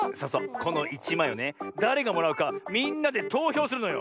この１まいをねだれがもらうかみんなでとうひょうするのよ。